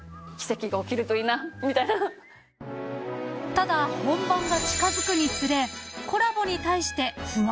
［ただ本番が近づくにつれコラボに対して］